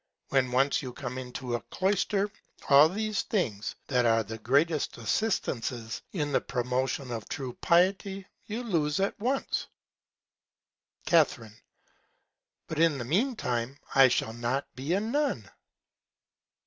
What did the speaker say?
When once you come into a Cloyster, all these Things, that are the greatest Assistances in the Promotion of true Piety, you lose at once. Ca. But in the mean Time I shall not be a Nun.